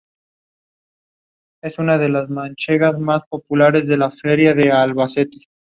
A menudo es confundido con un plagio, lo cual puede ser, pero no necesariamente.